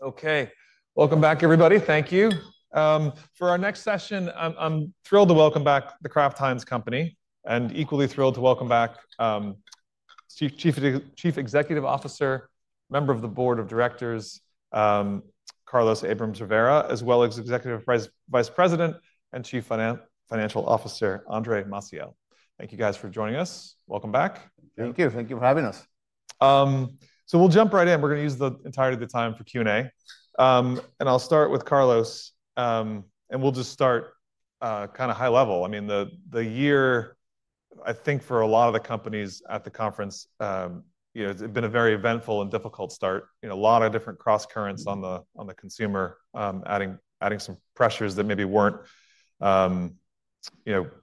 Okay, welcome back, everybody. Thank you. For our next session, I'm thrilled to welcome back The Kraft Heinz Company and equally thrilled to welcome back Chief Executive Officer, Member of the Board of Directors, Carlos Abrams-Rivera, as well as Executive Vice President and Chief Financial Officer, Andre Maciel. Thank you guys for joining us. Welcome back. Thank you. Thank you for having us. We'll jump right in. We're going to use the entirety of the time for Q&A. I'll start with Carlos, and we'll just start kind of high level. I mean, the year, I think for a lot of the companies at the conference, it's been a very eventful and difficult start. A lot of different cross currents on the consumer, adding some pressures that maybe weren't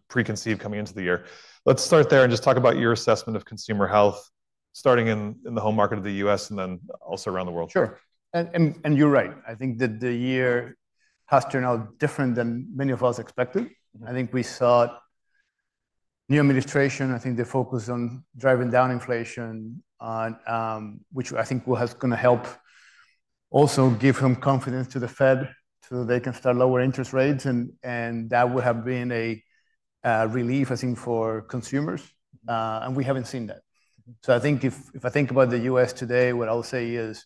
preconceived coming into the year. Let's start there and just talk about your assessment of consumer health, starting in the home market of the U.S. and then also around the world. Sure. You're right. I think that the year has turned out different than many of us expected. I think we saw new administration. I think they focused on driving down inflation, which I think will help also give some confidence to the Fed so they can start lowering interest rates. That would have been a relief, I think, for consumers. We haven't seen that. I think if I think about the U.S. today, what I'll say is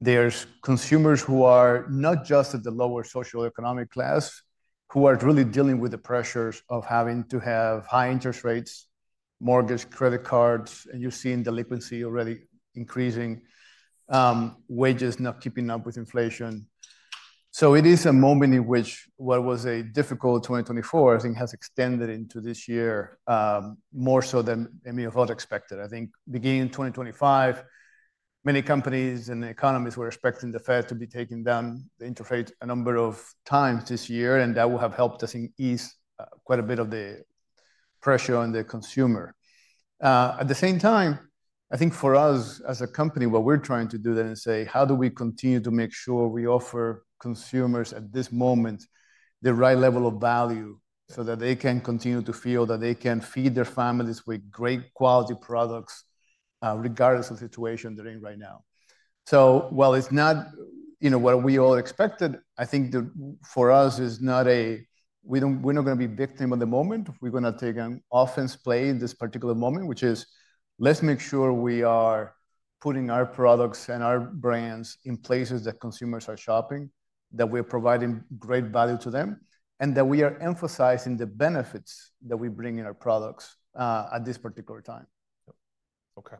there's consumers who are not just at the lower socioeconomic class, who are really dealing with the pressures of having to have high interest rates, mortgage, credit cards, and you're seeing the liquidity already increasing, wages not keeping up with inflation. It is a moment in which what was a difficult 2024, I think, has extended into this year more so than any of us expected. I think beginning in 2025, many companies and economists were expecting the Fed to be taking down the interest rate a number of times this year, and that will have helped us ease quite a bit of the pressure on the consumer. At the same time, I think for us as a company, what we're trying to do then is say, how do we continue to make sure we offer consumers at this moment the right level of value so that they can continue to feel that they can feed their families with great quality products, regardless of the situation they're in right now? While it's not what we all expected, I think for us is not a we're not going to be victim of the moment. We're going to take an offense play in this particular moment, which is let's make sure we are putting our products and our brands in places that consumers are shopping, that we're providing great value to them, and that we are emphasizing the benefits that we bring in our products at this particular time. Okay.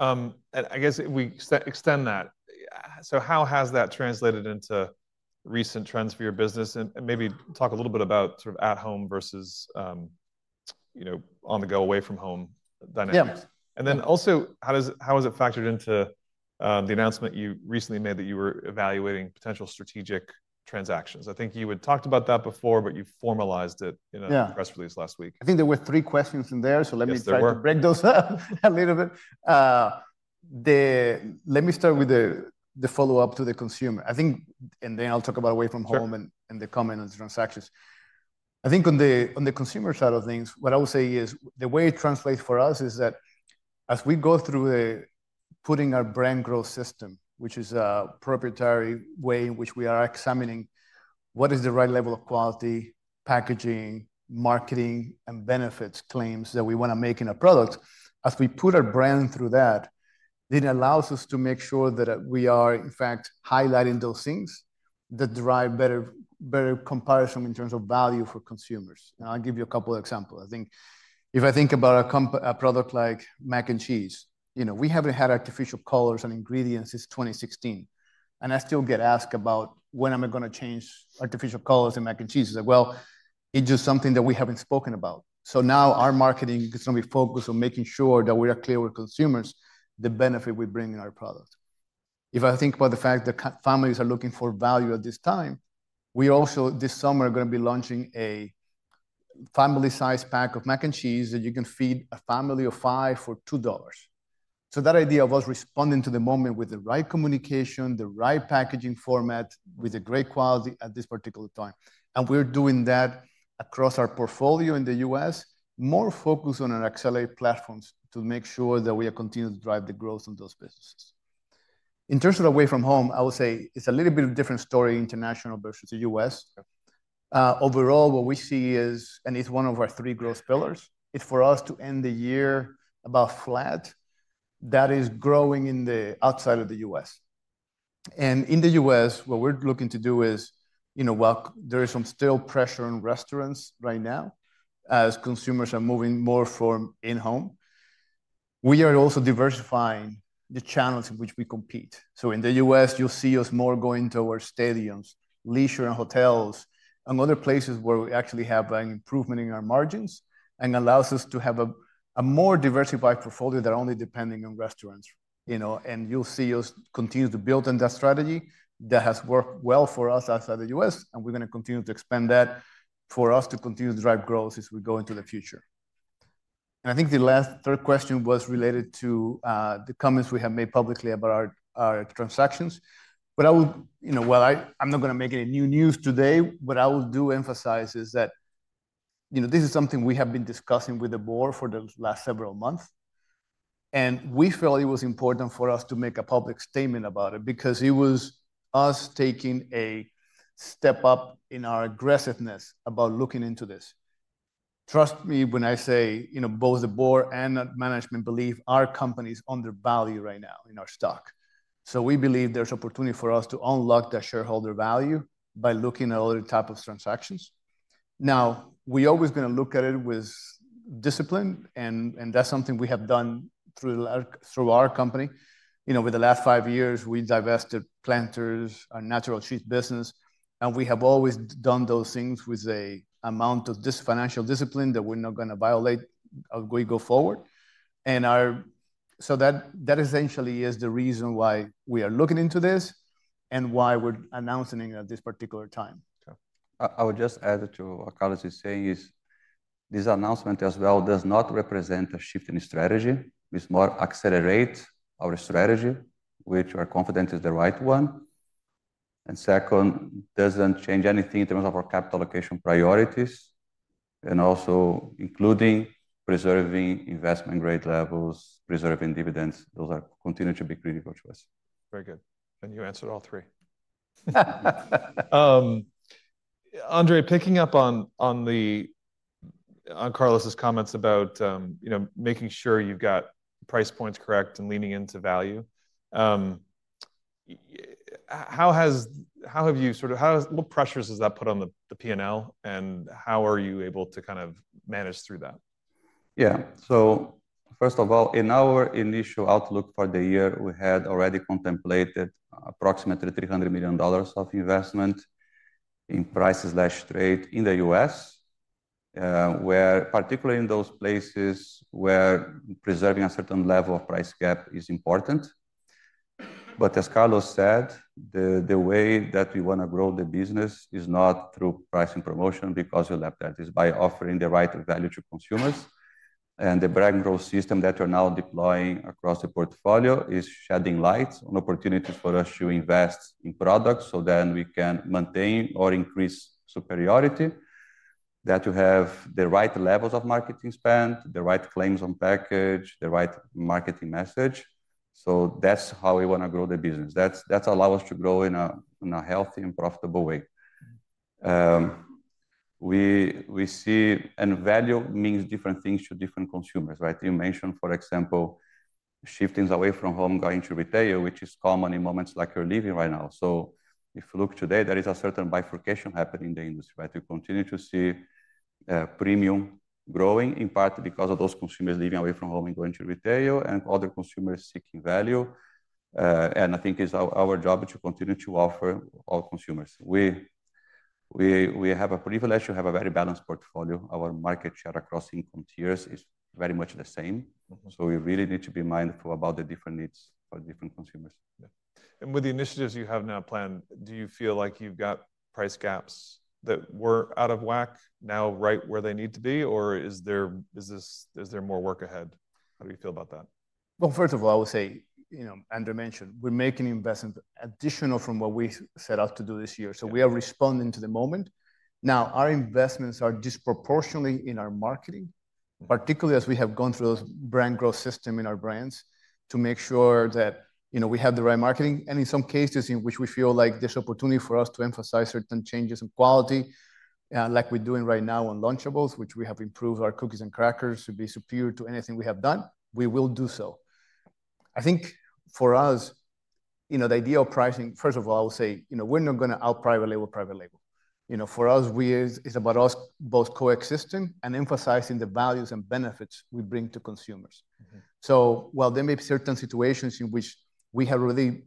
I guess if we extend that, how has that translated into recent trends for your business? Maybe talk a little bit about sort of at home versus on the go away from home dynamics. Also, how has it factored into the announcement you recently made that you were evaluating potential strategic transactions? I think you had talked about that before, but you formalized it in a press release last week. I think there were three questions in there, so let me try to break those up a little bit. Let me start with the follow-up to the consumer. I think, and then I'll talk about away from home and the comment on the transactions. I think on the consumer side of things, what I would say is the way it translates for us is that as we go through putting our brand growth system, which is a proprietary way in which we are examining what is the right level of quality, packaging, marketing, and benefits claims that we want to make in our products, as we put our brand through that, it allows us to make sure that we are, in fact, highlighting those things that drive better comparison in terms of value for consumers. I'll give you a couple of examples. I think if I think about a product like Mac & Cheese, we have not had artificial colors and ingredients since 2016. I still get asked about when am I going to change artificial colors in Kraft Mac & Cheese. It is like, well, it is just something that we have not spoken about. Now our marketing is going to be focused on making sure that we are clear with consumers the benefit we bring in our product. If I think about the fact that families are looking for value at this time, we also this summer are going to be launching a family-sized pack of Kraft Mac & Cheese that you can feed a family of five for $2. That idea of us responding to the moment with the right communication, the right packaging format, with great quality at this particular time. We are doing that across our portfolio in the U.S., more focused on our accelerated platforms to make sure that we continue to drive the growth in those businesses. In terms of away from home, I would say it is a little bit of a different story international versus the U.S. Overall, what we see is, and it is one of our three growth pillars, is for us to end the year about flat. That is growing in the outside of the U.S. In the U.S., what we are looking to do is, while there is some still pressure in restaurants right now as consumers are moving more from in-home, we are also diversifying the channels in which we compete. In the U.S., you'll see us more going to our stadiums, leisure and hotels, and other places where we actually have an improvement in our margins and allows us to have a more diversified portfolio that are only depending on restaurants. You'll see us continue to build on that strategy that has worked well for us outside the U.S., and we're going to continue to expand that for us to continue to drive growth as we go into the future. I think the last third question was related to the comments we have made publicly about our transactions. I will, well, I'm not going to make any new news today, but I will do emphasize is that this is something we have been discussing with the board for the last several months. We felt it was important for us to make a public statement about it because it was us taking a step up in our aggressiveness about looking into this. Trust me when I say both the board and management believe our company is undervalued right now in our stock. We believe there is opportunity for us to unlock that shareholder value by looking at other types of transactions. We are always going to look at it with discipline, and that is something we have done through our company. Over the last five years, we divested Planters, our natural cheese business, and we have always done those things with an amount of this financial discipline that we are not going to violate as we go forward. That essentially is the reason why we are looking into this and why we are announcing it at this particular time. I would just add to what Carlos is saying is this announcement as well does not represent a shift in strategy. We smart accelerate our strategy, which we are confident is the right one. Second, it does not change anything in terms of our capital allocation priorities. Also, including preserving investment grade levels, preserving dividends, those continue to be critical to us. Very good. You answered all three. Andre, picking up on Carlos's comments about making sure you've got price points correct and leaning into value, how have you sort of, what pressures has that put on the P&L, and how are you able to kind of manage through that? Yeah. First of all, in our initial outlook for the year, we had already contemplated approximately $300 million of investment in price/trade in the U.S., particularly in those places where preserving a certain level of price gap is important. As Carlos said, the way that we want to grow the business is not through price and promotion because we left that. It is by offering the right value to consumers. The brand growth system that we are now deploying across the portfolio is shedding light on opportunities for us to invest in products so that we can maintain or increase superiority, that you have the right levels of marketing spend, the right claims on package, the right marketing message. That is how we want to grow the business. That allows us to grow in a healthy and profitable way. We see and value means different things to different consumers. You mentioned, for example, shifting away from home going to retail, which is common in moments like you're living right now. If you look today, there is a certain bifurcation happening in the industry. We continue to see premium growing in part because of those consumers leaving away from home and going to retail and other consumers seeking value. I think it's our job to continue to offer our consumers. We have a privilege to have a very balanced portfolio. Our market share across income tiers is very much the same. We really need to be mindful about the different needs for different consumers. With the initiatives you have now planned, do you feel like you've got price gaps that were out of whack now right where they need to be, or is there more work ahead? How do you feel about that? First of all, I would say, as Andre mentioned, we're making investment additional from what we set out to do this year. We are responding to the moment. Now, our investments are disproportionately in our marketing, particularly as we have gone through those brand growth system in our brands to make sure that we have the right marketing. In some cases in which we feel like there's opportunity for us to emphasize certain changes in quality, like we're doing right now on Lunchables, which we have improved our cookies and crackers to be superior to anything we have done, we will do so. I think for us, the idea of pricing, first of all, I would say we're not going to outprivately with private label. For us, it's about us both coexisting and emphasizing the values and benefits we bring to consumers. While there may be certain situations in which we have already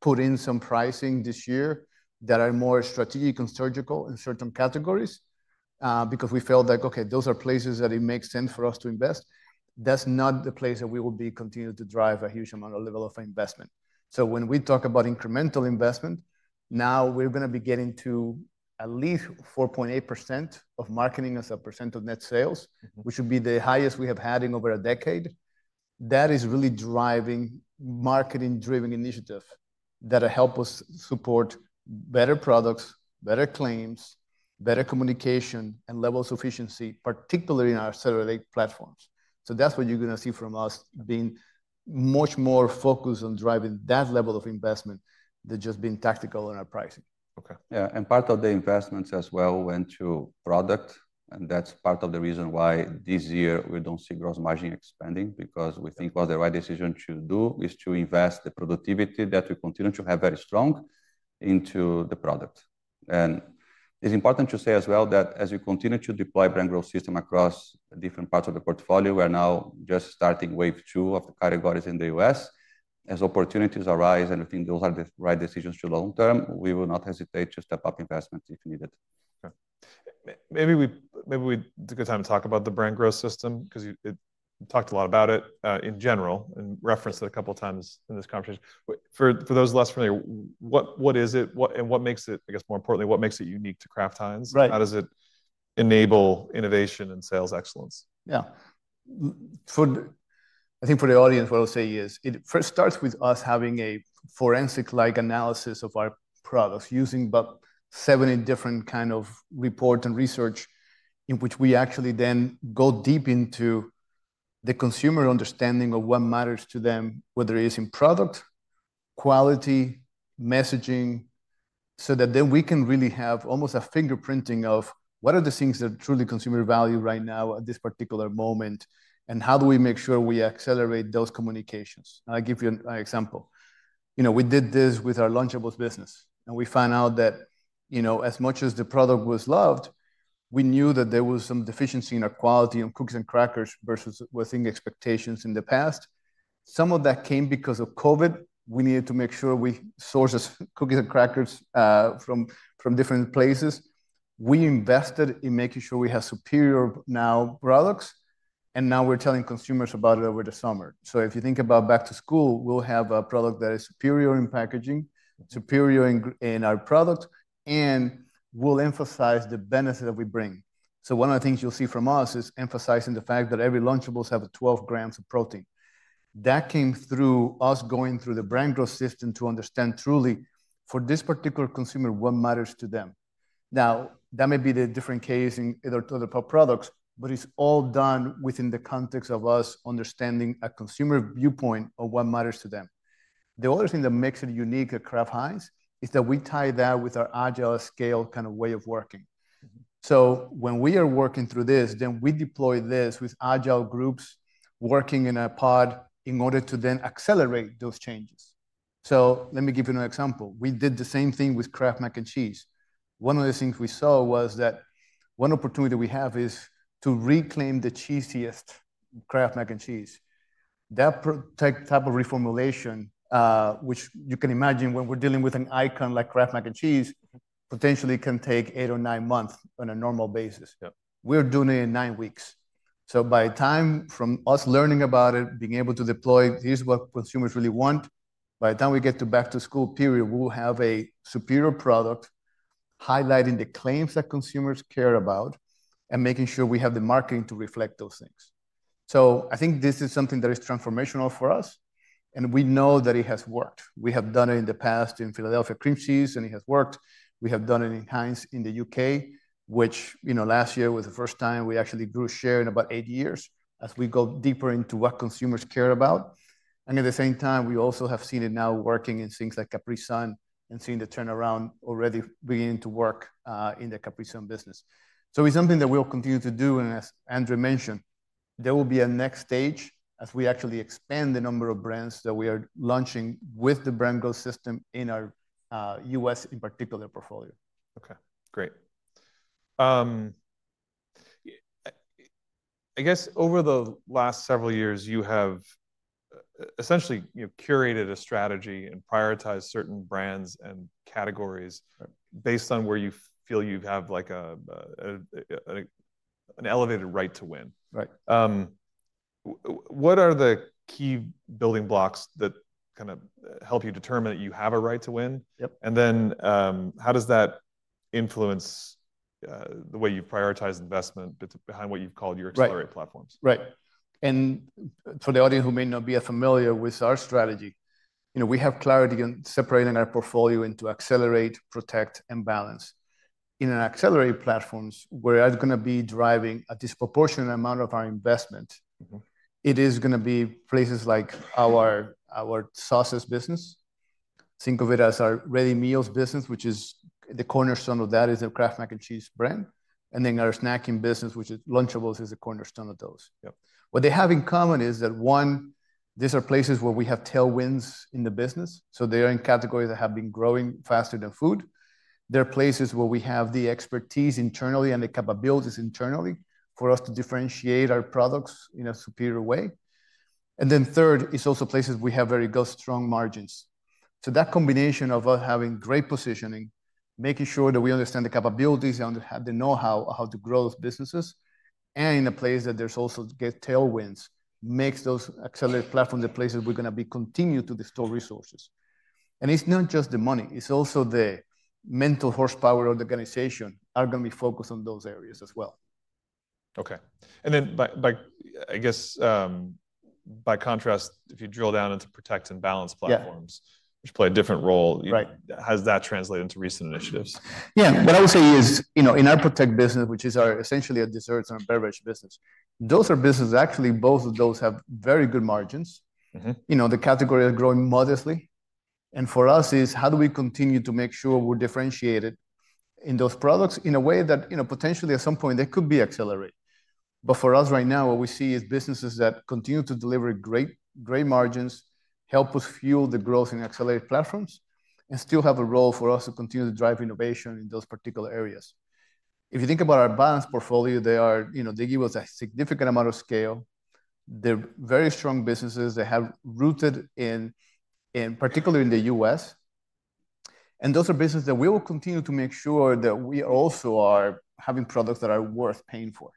put in some pricing this year that are more strategic and surgical in certain categories because we felt like, okay, those are places that it makes sense for us to invest, that's not the place that we will be continuing to drive a huge amount of level of investment. When we talk about incremental investment, now we're going to be getting to at least 4.8% of marketing as a percent of net sales, which would be the highest we have had in over a decade. That is really driving marketing-driven initiatives that help us support better products, better claims, better communication, and level of efficiency, particularly in our accelerated platforms. That's what you're going to see from us being much more focused on driving that level of investment than just being tactical in our pricing. Okay. Yeah. Part of the investments as well went to product. That's part of the reason why this year we don't see gross margin expanding because we think what the right decision to do is to invest the productivity that we continue to have very strong into the product. It's important to say as well that as we continue to deploy brand growth system across different parts of the portfolio, we're now just starting wave two of the categories in the U.S. As opportunities arise and we think those are the right decisions to long term, we will not hesitate to step up investments if needed. Okay. Maybe we took the time to talk about the brand growth system because you talked a lot about it in general and referenced it a couple of times in this conversation. For those less familiar, what is it and what makes it, I guess, more importantly, what makes it unique to Kraft Heinz? How does it enable innovation and sales excellence? Yeah. I think for the audience, what I'll say is it first starts with us having a forensic-like analysis of our products using about 70 different kinds of reports and research in which we actually then go deep into the consumer understanding of what matters to them, whether it is in product, quality, messaging, so that then we can really have almost a fingerprinting of what are the things that truly consumers value right now at this particular moment and how do we make sure we accelerate those communications. I'll give you an example. We did this with our Lunchables business, and we found out that as much as the product was loved, we knew that there was some deficiency in our quality on cookies and crackers versus within expectations in the past. Some of that came because of COVID. We needed to make sure we source cookies and crackers from different places. We invested in making sure we have superior now products, and now we're telling consumers about it over the summer. If you think about back to school, we'll have a product that is superior in packaging, superior in our product, and we'll emphasize the benefit that we bring. One of the things you'll see from us is emphasizing the fact that every Lunchables has 12 grams of protein. That came through us going through the brand growth system to understand truly for this particular consumer what matters to them. Now, that may be the different case in other products, but it's all done within the context of us understanding a consumer viewpoint of what matters to them. The other thing that makes it unique at Kraft Heinz is that we tie that with our agile scale kind of way of working. When we are working through this, then we deploy this with agile groups working in a pod in order to then accelerate those changes. Let me give you an example. We did the same thing with Kraft Mac & Cheese. One of the things we saw was that one opportunity we have is to reclaim the cheesiest Kraft Mac & Cheese. That type of reformulation, which you can imagine when we're dealing with an icon like Kraft Mac & Cheese, potentially can take eight or nine months on a normal basis. We're doing it in nine weeks. By the time from us learning about it, being able to deploy, here's what consumers really want, by the time we get to back to school period, we will have a superior product highlighting the claims that consumers care about and making sure we have the marketing to reflect those things. I think this is something that is transformational for us, and we know that it has worked. We have done it in the past in Philadelphia Cream Cheese, and it has worked. We have done it in Heinz in the U.K., which last year was the first time we actually grew share in about eight years as we go deeper into what consumers care about. At the same time, we also have seen it now working in things like Capri-Sun and seeing the turnaround already beginning to work in the Capri-Sun business. It's something that we'll continue to do. As Andre mentioned, there will be a next stage as we actually expand the number of brands that we are launching with the brand growth system in our U.S. in particular portfolio. Okay. Great. I guess over the last several years, you have essentially curated a strategy and prioritized certain brands and categories based on where you feel you have an elevated right to win. What are the key building blocks that kind of help you determine that you have a right to win? What are the key building blocks that kind of help you determine that you have a right to win? And then how does that influence the way you've prioritized investment behind what you've called your accelerated platforms? Right. For the audience who may not be as familiar with our strategy, we have clarity on separating our portfolio into accelerate, protect, and balance. In accelerated platforms, where it is going to be driving a disproportionate amount of our investment, it is going to be places like our sauces business. Think of it as our ready meals business, which is the cornerstone of that, is the Kraft Mac & Cheese brand. Then our snacking business, which is Lunchables, is the cornerstone of those. What they have in common is that, one, these are places where we have tailwinds in the business. They are in categories that have been growing faster than food. They are places where we have the expertise internally and the capabilities internally for us to differentiate our products in a superior way. Third, it is also places we have very good strong margins. That combination of us having great positioning, making sure that we understand the capabilities and have the know-how how to grow those businesses, and in a place that there's also tailwinds makes those accelerated platforms the places we're going to be continue to distort resources. It's not just the money. It's also the mental horsepower organization are going to be focused on those areas as well. Okay. I guess by contrast, if you drill down into protect and balance platforms, which play a different role, has that translated into recent initiatives? Yeah. What I would say is in our protect business, which is essentially a desserts and beverage business, those are businesses, actually both of those have very good margins. The category is growing modestly. For us, it is how do we continue to make sure we're differentiated in those products in a way that potentially at some point they could be accelerated. For us right now, what we see is businesses that continue to deliver great margins, help us fuel the growth in accelerated platforms, and still have a role for us to continue to drive innovation in those particular areas. If you think about our balance portfolio, they give us a significant amount of scale. They're very strong businesses. They have rooted in particularly in the U.S. Those are businesses that we will continue to make sure that we also are having products that are worth paying for.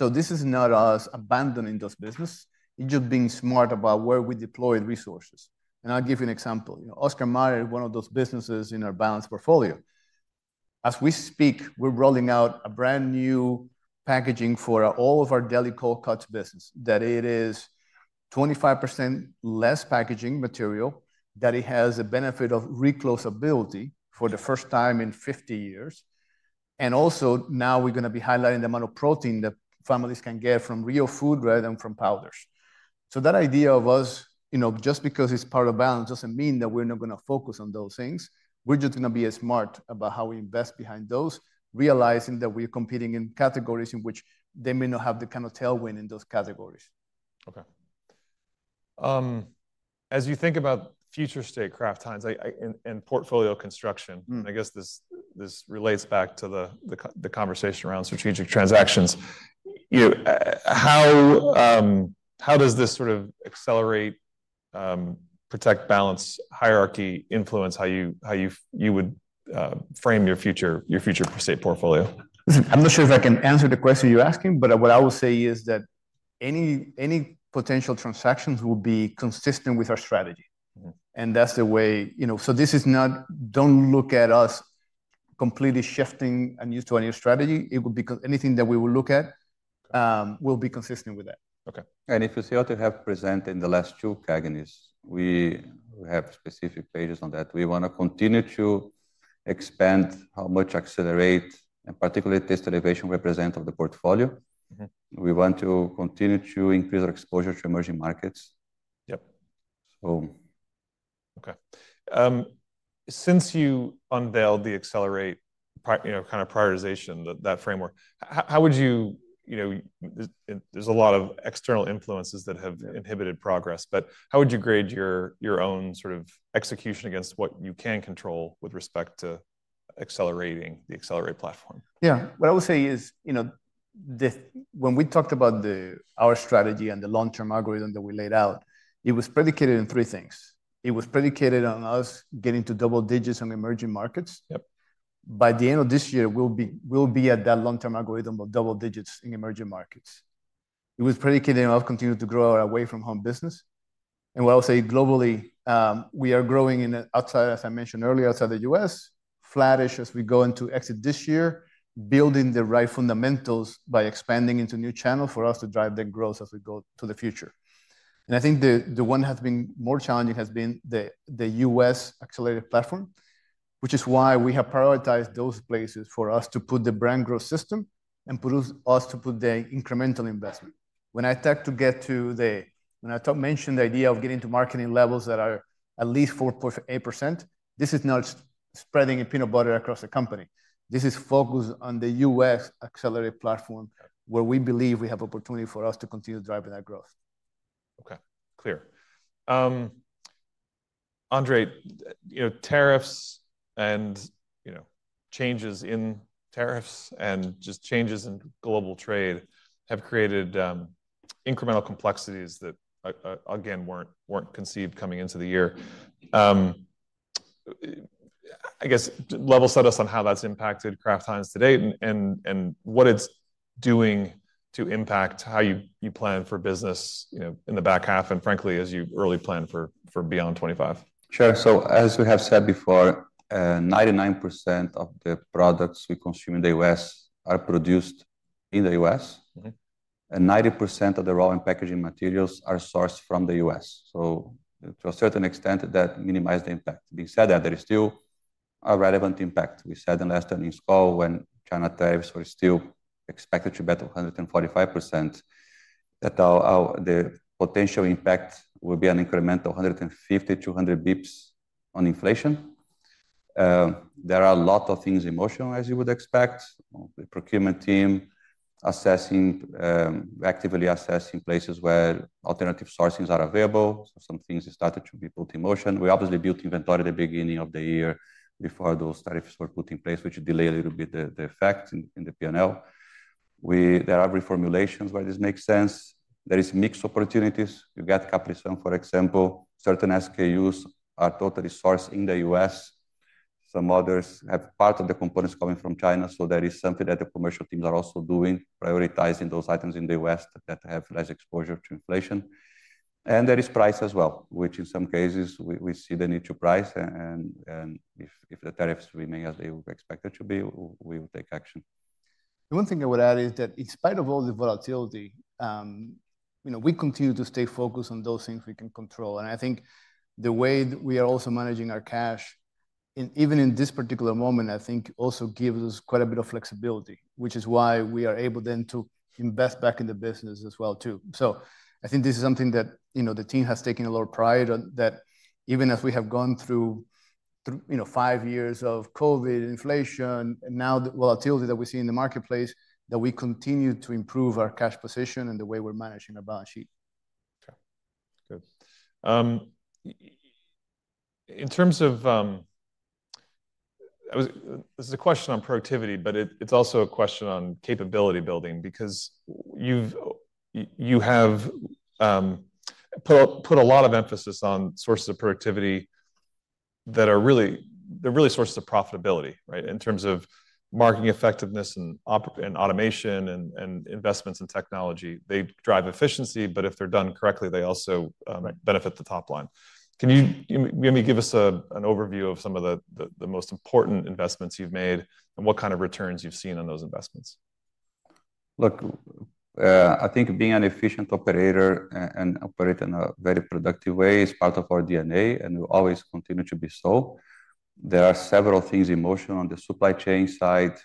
This is not us abandoning those businesses. It's just being smart about where we deploy resources. I'll give you an example. Oscar Mayer is one of those businesses in our balance portfolio. As we speak, we're rolling out a brand new packaging for all of our daily cold cuts business that is 25% less packaging material, that has a benefit of reclosability for the first time in 50 years. Also, now we're going to be highlighting the amount of protein that families can get from real food rather than from powders. That idea of us just because it's part of balance doesn't mean that we're not going to focus on those things. We're just going to be as smart about how we invest behind those, realizing that we're competing in categories in which they may not have the kind of tailwind in those categories. Okay. As you think about future state Kraft Heinz and portfolio construction, I guess this relates back to the conversation around strategic transactions. How does this sort of accelerate, protect, balance, hierarchy influence how you would frame your future state portfolio? I'm not sure if I can answer the question you're asking, but what I will say is that any potential transactions will be consistent with our strategy. That is the way, so this is not, do not look at us completely shifting a new strategy. It would be anything that we will look at will be consistent with that. Okay. If you see what we have presented in the last two Kaganists, we have specific pages on that. We want to continue to expand how much accelerate and particularly test elevation represent of the portfolio. We want to continue to increase our exposure to emerging markets. Yep. Okay. Since you unveiled the accelerate kind of prioritization, that framework, how would you, there's a lot of external influences that have inhibited progress, but how would you grade your own sort of execution against what you can control with respect to accelerating the accelerate platform? Yeah. What I would say is when we talked about our strategy and the long-term algorithm that we laid out, it was predicated on three things. It was predicated on us getting to double digits on emerging markets. By the end of this year, we'll be at that long-term algorithm of double digits in emerging markets. It was predicated on us continuing to grow our away from home business. What I'll say globally, we are growing outside, as I mentioned earlier, outside the U.S., flattish as we go into exit this year, building the right fundamentals by expanding into new channels for us to drive the growth as we go to the future. I think the one that has been more challenging has been the US accelerated platform, which is why we have prioritized those places for us to put the brand growth system and for us to put the incremental investment. When I talk about getting to marketing levels that are at least 4.8%, this is not spreading a peanut butter across the company. This is focused on the U.S. accelerated platform where we believe we have opportunity for us to continue driving that growth. Okay. Clear. Andre, tariffs and changes in tariffs and just changes in global trade have created incremental complexities that, again, were not conceived coming into the year. I guess level set us on how that is impacted Kraft Heinz today and what it is doing to impact how you plan for business in the back half and frankly, as you early plan for beyond 2025. Sure. As we have said before, 99% of the products we consume in the U.S. are produced in the U.S., and 90% of the raw and packaging materials are sourced from the U.S. To a certain extent, that minimized the impact. That being said, there is still a relevant impact. We said in the last earnings call when China tariffs were still expected to be at 145%, that the potential impact will be an incremental 150-200 bps. There are a lot of things in motion, as you would expect. The procurement team is assessing, actively assessing places where alternative sourcing is available. Some things started to be put in motion. We obviously built inventory at the beginning of the year before those tariffs were put in place, which delayed a little bit the effect in the P&L. There are reformulations where this makes sense. There are mixed opportunities. You got Capri-Sun, for example. Certain SKUs are totally sourced in the U.S. Some others have part of the components coming from China. That is something that the commercial teams are also doing, prioritizing those items in the U.S. that have less exposure to inflation. There is price as well, which in some cases we see the need to price. If the tariffs remain as they were expected to be, we will take action. The one thing I would add is that in spite of all the volatility, we continue to stay focused on those things we can control. I think the way we are also managing our cash, even in this particular moment, I think also gives us quite a bit of flexibility, which is why we are able then to invest back in the business as well too. I think this is something that the team has taken a lot of pride on, that even as we have gone through five years of COVID, inflation, and now the volatility that we see in the marketplace, that we continue to improve our cash position and the way we're managing our balance sheet. Okay. Good. In terms of this is a question on productivity, but it's also a question on capability building because you have put a lot of emphasis on sources of productivity that are really sources of profitability, right, in terms of marketing effectiveness and automation and investments in technology. They drive efficiency, but if they're done correctly, they also benefit the top line. Can you maybe give us an overview of some of the most important investments you've made and what kind of returns you've seen on those investments? Look, I think being an efficient operator and operate in a very productive way is part of our DNA, and we'll always continue to be so. There are several things in motion on the supply chain side.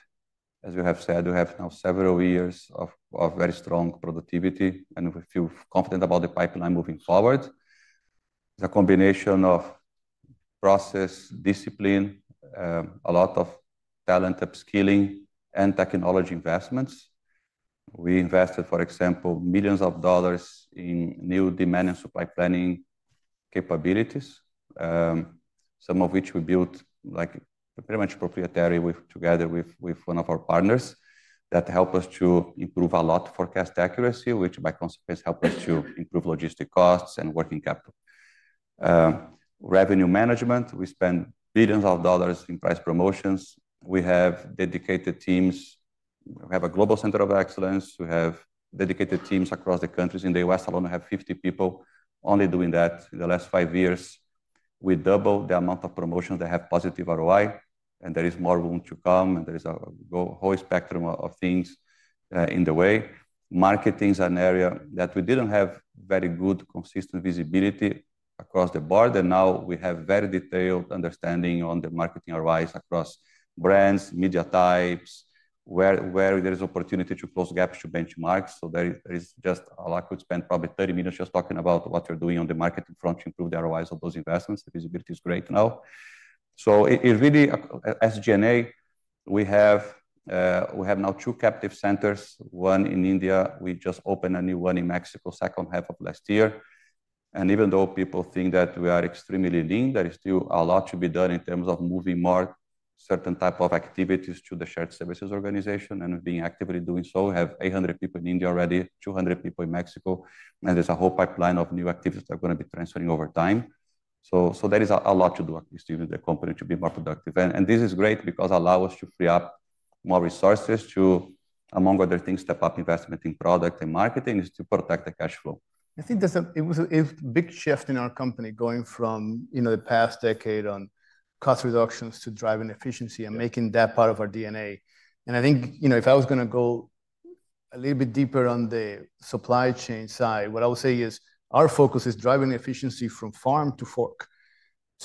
As we have said, we have now several years of very strong productivity, and we feel confident about the pipeline moving forward. It's a combination of process, discipline, a lot of talent upskilling, and technology investments. We invested, for example, millions of dollars in new demand and supply planning capabilities, some of which we built pretty much proprietary together with one of our partners that helped us to improve a lot forecast accuracy, which by consequence helped us to improve logistic costs and working capital. Revenue management, we spend billions of dollars in price promotions. We have dedicated teams. We have a global center of excellence. We have dedicated teams across the countries. In the U.S. alone, we have 50 people only doing that in the last five years. We double the amount of promotions that have positive ROI, and there is more room to come, and there is a whole spectrum of things in the way. Marketing is an area that we didn't have very good consistent visibility across the board, and now we have very detailed understanding on the marketing ROIs across brands, media types, where there is opportunity to close gaps to benchmarks. There is just a lot. We spent probably 30 minutes just talking about what we're doing on the marketing front to improve the ROIs of those investments. The visibility is great now. As G&A, we have now two captive centers, one in India. We just opened a new one in Mexico second half of last year. Even though people think that we are extremely lean, there is still a lot to be done in terms of moving more certain type of activities to the shared services organization and being actively doing so. We have 800 people in India already, 200 people in Mexico, and there is a whole pipeline of new activities that are going to be transferring over time. There is a lot to do at least to use the company to be more productive. This is great because it allows us to free up more resources to, among other things, step up investment in product and marketing to protect the cash flow. I think there is a big shift in our company going from the past decade on cost reductions to driving efficiency and making that part of our DNA. I think if I was going to go a little bit deeper on the supply chain side, what I would say is our focus is driving efficiency from farm to fork.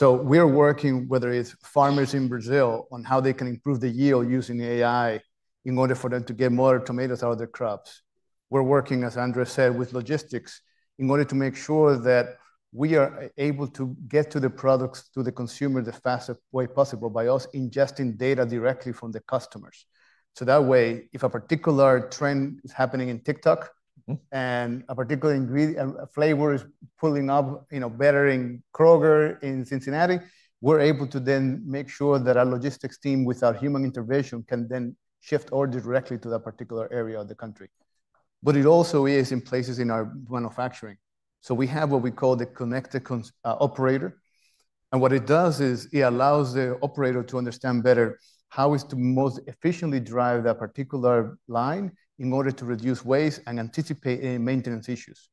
We're working, whether it's farmers in Brazil on how they can improve the yield using AI in order for them to get more tomatoes out of their crops. We're working, as Andre said, with logistics in order to make sure that we are able to get the products to the consumer the fastest way possible by us ingesting data directly from the customers. That way, if a particular trend is happening in TikTok and a particular ingredient, a flavor is pulling up better in Kroger in Cincinnati, we're able to then make sure that our logistics team without human intervention can then shift orders directly to that particular area of the country. It also is in places in our manufacturing. We have what we call the connected operator. What it does is it allows the operator to understand better how to most efficiently drive that particular line in order to reduce waste and anticipate maintenance issues.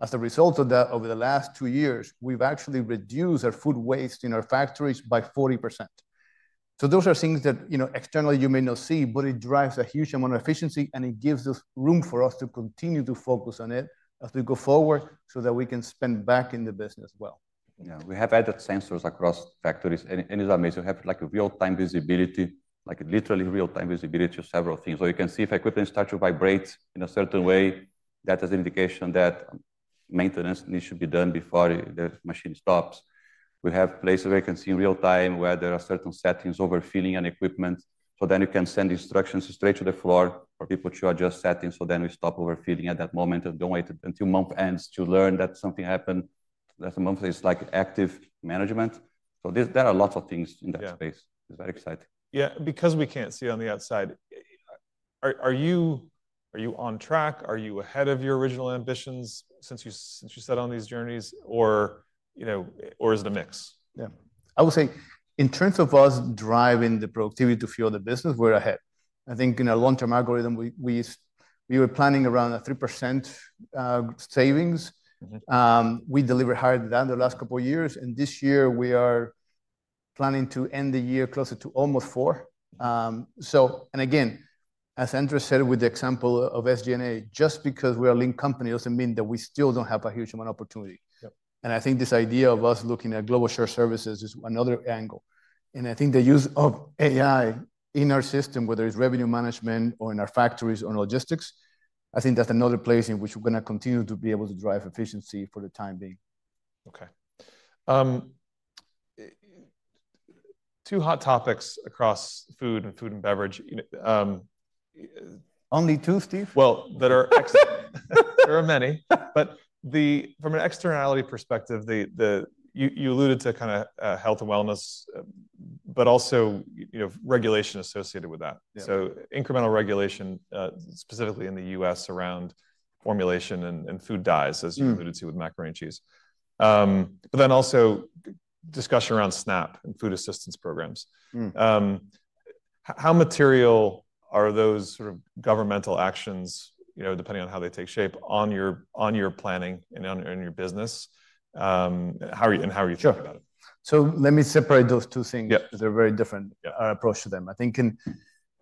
As a result of that, over the last two years, we've actually reduced our food waste in our factories by 40%. Those are things that externally you may not see, but it drives a huge amount of efficiency, and it gives us room for us to continue to focus on it as we go forward so that we can spend back in the business as well. Yeah. We have added sensors across factories, and it is amazing. We have real-time visibility, like literally real-time visibility of several things. You can see if equipment starts to vibrate in a certain way, that is an indication that maintenance needs to be done before the machine stops. We have places where you can see in real time where there are certain settings overfilling on equipment. You can send instructions straight to the floor for people to adjust settings. We stop overfilling at that moment and do not wait until month ends to learn that something happened. That is active management. There are lots of things in that space. It is very exciting. Yeah. Because we can't see on the outside, are you on track? Are you ahead of your original ambitions since you set on these journeys, or is it a mix? Yeah. I would say in terms of us driving the productivity to fuel the business, we're ahead. I think in our long-term algorithm, we were planning around a 3% savings. We delivered higher than that in the last couple of years. This year, we are planning to end the year closer to almost 4%. Again, as Andre said with the example of SG&A, just because we are a lean company does not mean that we still do not have a huge amount of opportunity. I think this idea of us looking at global shared services is another angle. I think the use of AI in our system, whether it is revenue management or in our factories or logistics, I think that is another place in which we are going to continue to be able to drive efficiency for the time being. Okay. Two hot topics across food and food and beverage. Only two, Steve? There are many. But from an externality perspective, you alluded to kind of health and wellness, but also regulation associated with that. Incremental regulation, specifically in the U.S. around formulation and food dyes, as you alluded to with macaroni and cheese. But then also discussion around SNAP and food assistance programs. How material are those sort of governmental actions, depending on how they take shape, on your planning and on your business? How are you thinking about it? Let me separate those two things. They're very different approach to them. I think in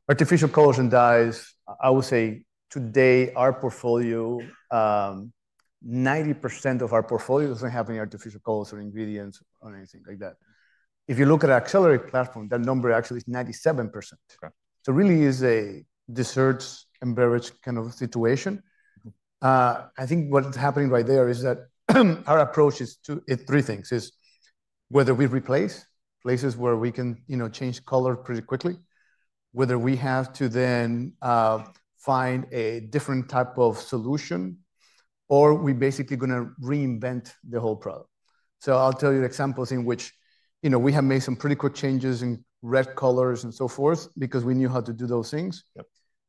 artificial colors and dyes, I would say today our portfolio, 90% of our portfolio doesn't have any artificial color ingredients or anything like that. If you look at our accelerated platform, that number actually is 97%. It really is a desserts and beverage kind of situation. I think what's happening right there is that our approach is three things. It's whether we replace places where we can change color pretty quickly, whether we have to then find a different type of solution, or we're basically going to reinvent the whole product. I'll tell you examples in which we have made some pretty quick changes in red colors and so forth because we knew how to do those things.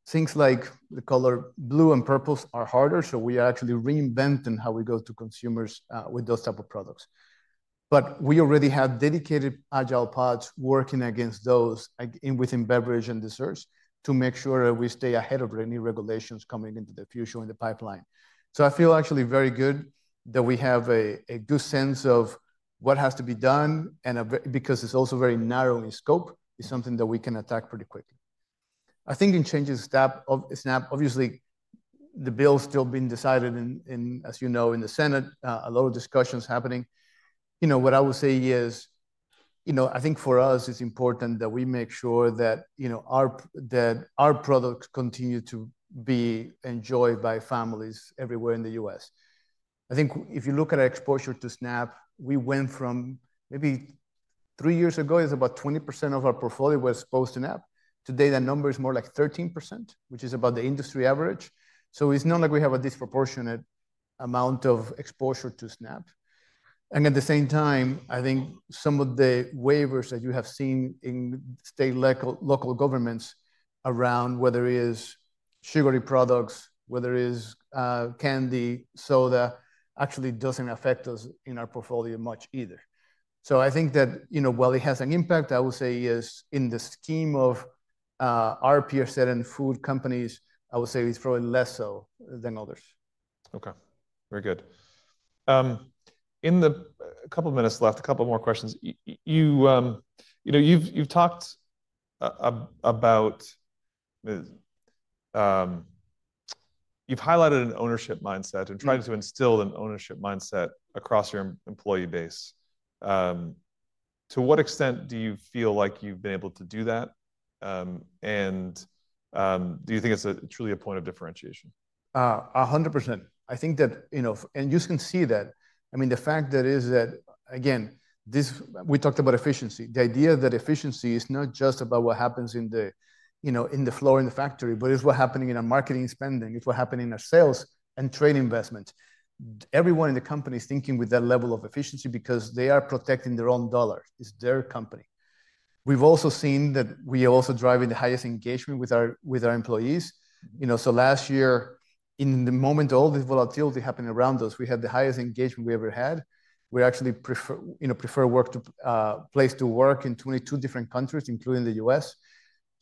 Things like the color blue and purples are harder. We actually reinvent in how we go to consumers with those type of products. We already have dedicated agile pods working against those within beverage and desserts to make sure that we stay ahead of any regulations coming into the future in the pipeline. I feel actually very good that we have a good sense of what has to be done because it's also very narrow in scope. It's something that we can attack pretty quickly. I think in changing SNAP, obviously, the bill is still being decided, and as you know, in the Senate, a lot of discussions happening. What I would say is, I think for us, it's important that we make sure that our products continue to be enjoyed by families everywhere in the U.S. I think if you look at our exposure to SNAP, we went from maybe three years ago, it was about 20% of our portfolio was post-SNAP. Today, that number is more like 13%, which is about the industry average. It is not like we have a disproportionate amount of exposure to SNAP. At the same time, I think some of the waivers that you have seen in state local governments around whether it is sugary products, whether it is candy, soda, actually does not affect us in our portfolio much either. I think that while it has an impact, I would say it is in the scheme of our peers that are in food companies, I would say it is probably less so than others. Okay. Very good. In the couple of minutes left, a couple more questions. You've talked about, you've highlighted an ownership mindset and tried to instill an ownership mindset across your employee base. To what extent do you feel like you've been able to do that? Do you think it's truly a point of differentiation? 100%. I think that, and you can see that. I mean, the fact is that, again, we talked about efficiency. The idea that efficiency is not just about what happens on the floor in the factory, but it's what's happening in our marketing spending. It's what's happening in our sales and trade investments. Everyone in the company is thinking with that level of efficiency because they are protecting their own dollar. It's their company. We've also seen that we are also driving the highest engagement with our employees. Last year, in the moment of all this volatility happening around us, we had the highest engagement we ever had. We were actually preferred as a place to work in 22 different countries, including the U.S.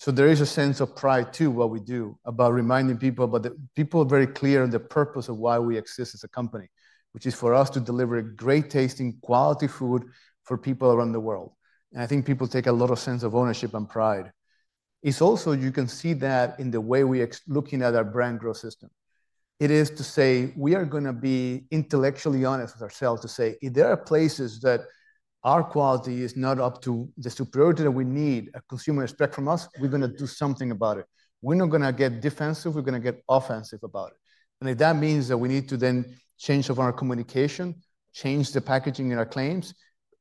There is a sense of pride too in what we do about reminding people, but people are very clear on the purpose of why we exist as a company, which is for us to deliver great tasting, quality food for people around the world. I think people take a lot of sense of ownership and pride. You can see that in the way we are looking at our brand growth system. It is to say we are going to be intellectually honest with ourselves to say, if there are places that our quality is not up to the superiority that we need a consumer to expect from us, we're going to do something about it. We're not going to get defensive. We're going to get offensive about it. If that means that we need to then change our communication, change the packaging in our claims,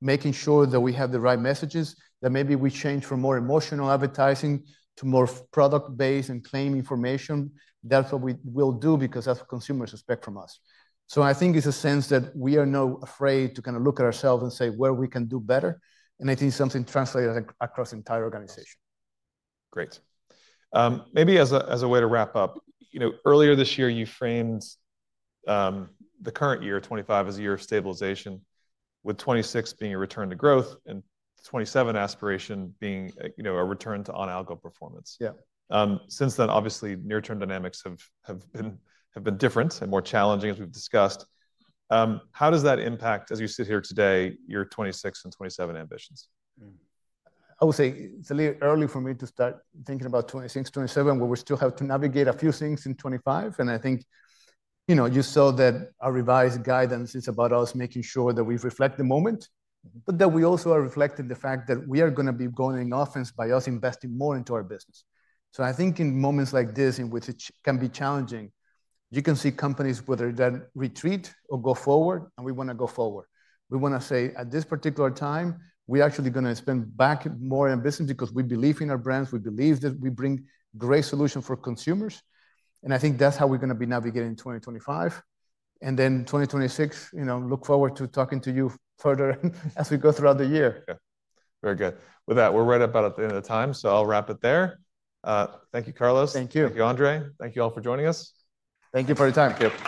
making sure that we have the right messages, that maybe we change from more emotional advertising to more product-based and claim information, that's what we will do because that's what consumers expect from us. I think it's a sense that we are now afraid to kind of look at ourselves and say where we can do better. I think something translated across the entire organization. Great. Maybe as a way to wrap up, earlier this year, you framed the current year, 2025, as a year of stabilization, with 2026 being a return to growth and 2027 aspiration being a return to on-outgo performance. Yeah. Since then, obviously, near-term dynamics have been different and more challenging, as we've discussed. How does that impact, as you sit here today, your 2026 and 2027 ambitions? I would say it's a little early for me to start thinking about 2026, 2027, where we still have to navigate a few things in 2025. I think you saw that our revised guidance is about us making sure that we reflect the moment, but that we also are reflecting the fact that we are going to be going in offense by us investing more into our business. I think in moments like this, in which it can be challenging, you can see companies whether they retreat or go forward, and we want to go forward. We want to say, at this particular time, we're actually going to spend back more on business because we believe in our brands. We believe that we bring great solutions for consumers. I think that's how we're going to be navigating in 2025. In 2026, look forward to talking to you further as we go throughout the year. Yeah. Very good. With that, we're right about at the end of time, so I'll wrap it there. Thank you, Carlos. Thank you. Thank you, Andre. Thank you all for joining us. Thank you for your time.